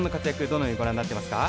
どのようにご覧になっていますか。